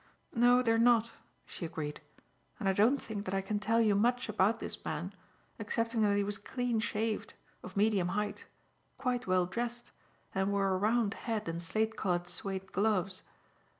"No, they are not," she agreed, "and I don't think that I can tell you much about this man excepting that he was clean shaved, of medium height, quite well dressed, and wore a round hat and slate coloured suede gloves."